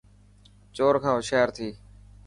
چور کان هوشيار ٿي.